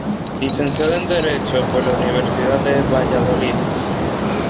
Licenciada en Derecho por la Universidad de Valladolid.